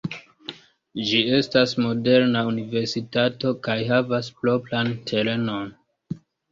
Ĝi estas moderna universitato kaj havas propran terenon.